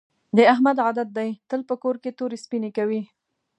د احمد عادت دې تل په کور کې تورې سپینې کوي.